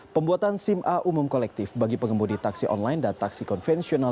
pembuatan sim a umum kolektif bagi pengemudi taksi online dan taksi konvensional